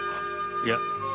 いや。